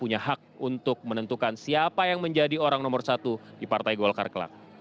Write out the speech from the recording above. dan pilihan mereka yang punya hak untuk menentukan siapa yang menjadi orang nomor satu di partai golkar kelak